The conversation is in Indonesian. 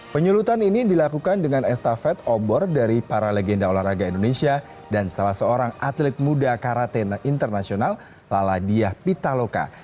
penyulutan ini dilakukan dengan estafet obor dari para legenda olahraga indonesia dan salah seorang atlet muda karatena internasional laladiah pitaloka